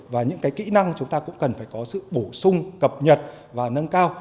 và những kỹ năng chúng ta cũng cần phải có sự bổ sung cập nhật và nâng cao